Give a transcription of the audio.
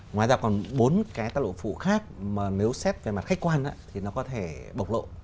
ngoài ra còn bốn cái tác lộ phụ khác mà nếu xét về mặt khách quan thì nó có thể bộc lộ